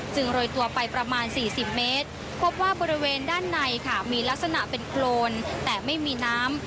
โรยตัวไปประมาณ๔๐เมตรพบว่าบริเวณด้านในค่ะมีลักษณะเป็นโครนแต่ไม่มีน้ำ